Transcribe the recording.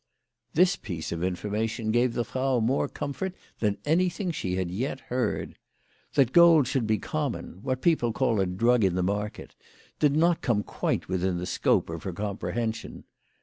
This piece of information gave the Frau more com fort than anything she had yet heard. That gold should be common, what people call a drug in the market, did not come quite within the scope of her com prehension.